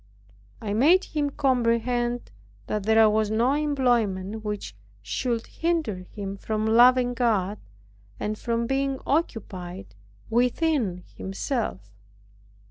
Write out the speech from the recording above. I made him comprehend that there was no employment which should hinder him from loving God, and from being occupied within himself.